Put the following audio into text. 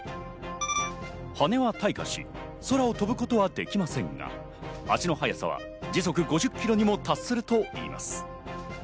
羽は退化し、空を飛ぶことはできませんが、足の速さは時速５０キロにも達するといいます。